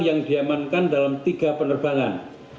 yang diamankan dalam tiga penerbangan